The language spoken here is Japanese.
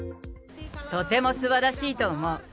とてもすばらしいと思う。